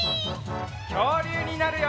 きょうりゅうになるよ！